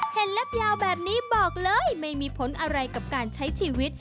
เล็บยาวแบบนี้บอกเลยไม่มีผลอะไรกับการใช้ชีวิต